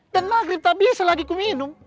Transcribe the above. dan nagri tak biasa lagi aku minum